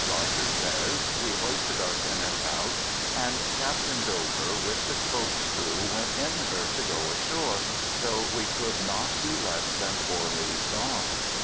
Rogers says, "we hoisted our pinnace out, and Captain Dover with the boats crew went in her to go ashoar, tho we could not be less than 4 leagues off.